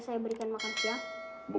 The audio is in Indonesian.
menjadi kemampuan anda